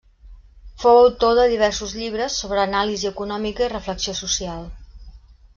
Fou autor de diversos llibres sobre anàlisi econòmica i reflexió social.